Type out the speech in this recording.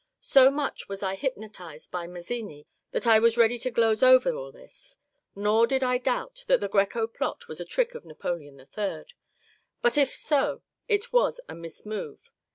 So much was I hypnotized by Mazzini that I was ready to gloze over all this. Nor did I doubt that the Greco plot was a trick of Napoleon III. But if so it was a mismove.